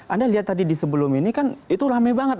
anda lihat tadi di sebelum ini kan itu rame banget